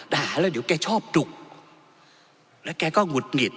ด่าแล้วเดี๋ยวแกชอบดุแล้วแกก็หงุดหงิด